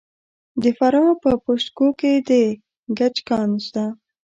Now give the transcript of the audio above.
د فراه په پشت کوه کې د ګچ کان شته.